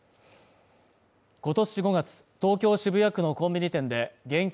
ことし５月東京・渋谷区のコンビニ店で現金